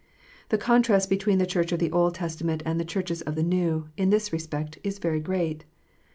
The contrast between the Church of the Old Testament and the Churches of the New, in this respect, is very great.